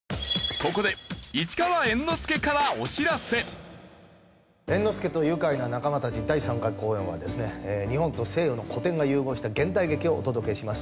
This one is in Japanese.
ここで猿之助と愉快な仲間たち第３回公演はですね日本と西洋の古典が融合した現代劇をお届けします。